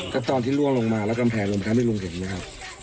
ก็ตอนที่ล่วงลงมาแล้วกำแพงลมทำให้ลุงเห็นไหมครับ